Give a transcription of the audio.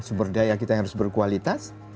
sumber daya kita yang harus berkualitas